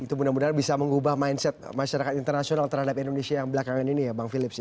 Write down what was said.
itu mudah mudahan bisa mengubah mindset masyarakat internasional terhadap indonesia yang belakangan ini ya bang philips